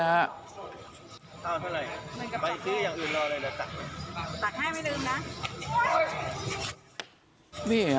อ้าวเท่าไหร่ไปอีกทีอย่างอื่นรอเลยเดี๋ยวตักให้